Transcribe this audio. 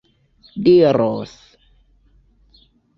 diros